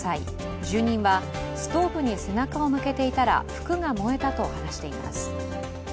住人はストーブに背中を向けていたら服が燃えたと話しています。